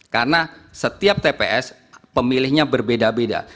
karena setiap tps pemilihnya berbeda beda